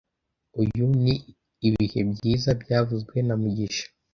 Uyu ni ibihe byiza byavuzwe na mugisha